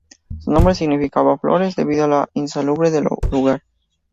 Su nombre significaba "fiebres" debido a lo insalubre del lugar.